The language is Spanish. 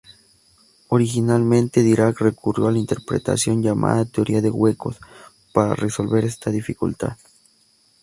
Originalmente, Dirac recurrió a la interpretación llamada "teoría de huecos" para resolver esta dificultad.